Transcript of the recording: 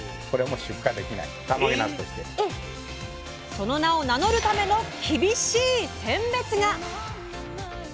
その名を名乗るための厳しい選別が！